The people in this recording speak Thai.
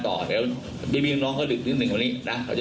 ต่อเดี๋ยวมีมีน้องก็ดึกนิดหนึ่งวันนี้นะเขาจะ